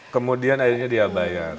kemudian akhirnya dia bayar